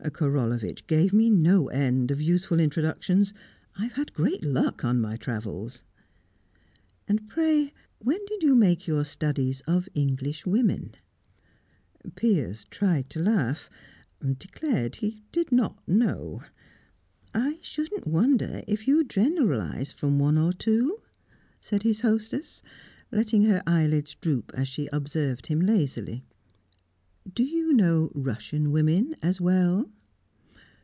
Korolevitch gave me no end of useful introductions. I've had great luck on my travels." "Pray, when did you make your studies of English women?" Piers tried to laugh; declared he did not know. "I shouldn't wonder if you generalise from one or two?" said his hostess, letting her eyelids droop as she observed him lazily. "Do you know Russian women as well?"